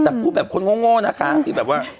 แต่พูดแบบคนโง่นะคะที่แบบว่า